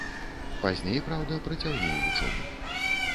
Пазней, праўда, працягнуў вучобу.